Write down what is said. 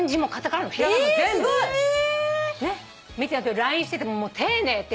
ＬＩＮＥしてても丁寧丁寧。